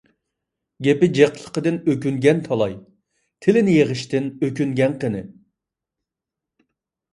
گېپى جىقلىقىدىن ئۆكۈنگەن تالاي، تىلىنى يىغىشتىن ئۆكۈنگەن قېنى؟